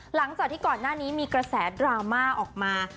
หลังจากที่ก่อนหน้านี้มีกระแสดราม่าออกมา